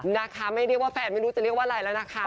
นะคะไม่เรียกว่าแฟนไม่รู้จะเรียกว่าอะไรแล้วนะคะ